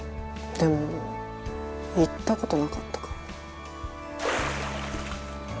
でも言ったことなかったかな。